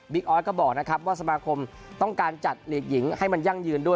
ออสก็บอกนะครับว่าสมาคมต้องการจัดหลีกหญิงให้มันยั่งยืนด้วย